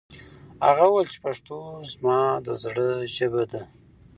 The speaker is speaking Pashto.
هغه وویل چې پښتو زما د زړه ژبه ده.